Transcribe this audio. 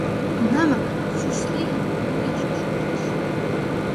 Тунамак, чӱч лийын, мӧҥгеш ошкылеш.